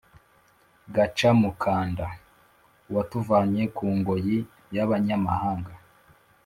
gacamukanda: uwatuvanye ku ngoyi (y’abanyamahanga)